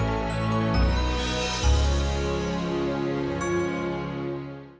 assalamualaikum warahmatullahi wabarakatuh